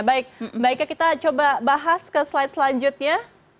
baik mbak ika kita coba bahas ke slide selanjutnya